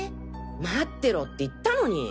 待ってろって言ったのに。